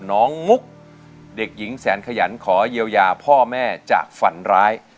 มุกเด็กหญิงแสนขยันขอเยียวยาพ่อแม่จากฝันร้าย